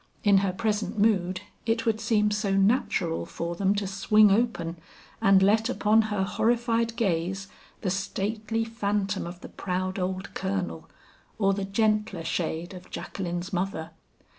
In her present mood it would seem so natural for them to swing open, and let upon her horrified gaze the stately phantom of the proud old colonel or the gentler shade of Jacqueline's mother.